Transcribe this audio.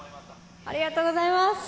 ありがとうございます。